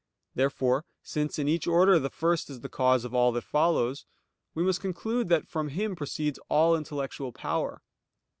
Therefore since in each order the first is the cause of all that follows, we must conclude that from Him proceeds all intellectual power.